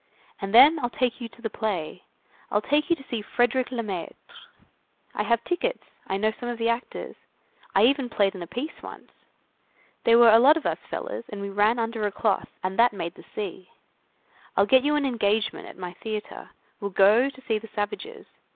And then I'll take you to the play. I'll take you to see Frédérick Lemaître. I have tickets, I know some of the actors, I even played in a piece once. There were a lot of us fellers, and we ran under a cloth, and that made the sea. I'll get you an engagement at my theatre. We'll go to see the savages.